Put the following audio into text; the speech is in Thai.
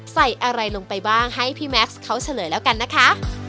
ใส่อะไรลงไปบ้างให้พี่แม็กซ์เขาเฉลยแล้วกันนะคะ